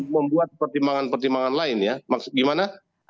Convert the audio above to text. membuat pertimbangan pertimbangan lain ya gimana